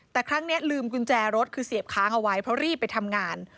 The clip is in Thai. แต่ครั้งนี้ลืมกุญแจรถคือเสียบค้างเอาไว้เพราะรีบไปทำงาน